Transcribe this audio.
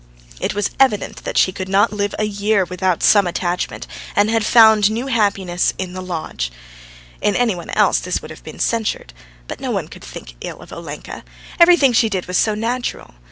It was evident that she could not live a year without some attachment, and had found new happiness in the lodge. In any one else this would have been censured, but no one could think ill of Olenka; everything she did was so natural.